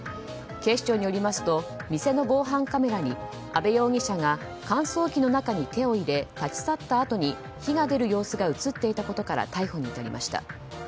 警視庁によりますと店の防犯カメラに阿部容疑者が乾燥機の中に手を入れ立ち去ったあとに火が出る様子が映っていたことから逮捕に至りました。